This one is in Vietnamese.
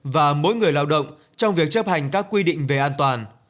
và mỗi người lao động trong việc chấp hành các quy định về an toàn